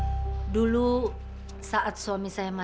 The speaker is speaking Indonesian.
jadi anakku jam sepuluh jam